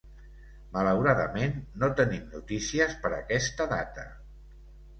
Malauradament, no tenim notícies per aquesta data.